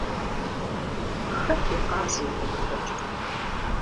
Хэт и къаз уэ къепхуэкӏыр?